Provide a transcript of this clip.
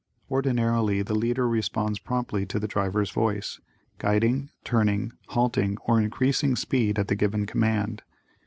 Ordinarily, the leader responds promptly to the driver's voice, guiding, turning, halting or increasing speed at the given command.